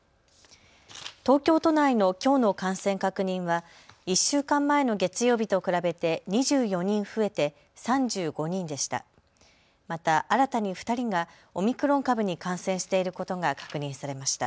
東京都内のきょうの感染確認は１週間前の月曜日と比べて２４人増えて３５人でした。